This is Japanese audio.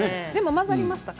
混ざりましたか？